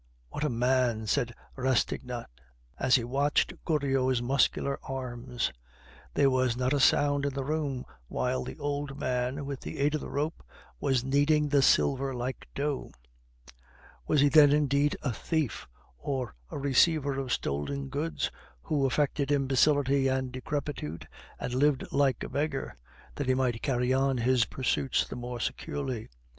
_ what a man!" said Rastignac, as he watched Goriot's muscular arms; there was not a sound in the room while the old man, with the aid of the rope, was kneading the silver like dough. "Was he then, indeed, a thief, or a receiver of stolen goods, who affected imbecility and decrepitude, and lived like a beggar that he might carry on his pursuits the more securely?"